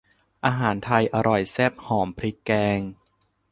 อาหารไทยอร่อยแซ่บหอมพริกแกง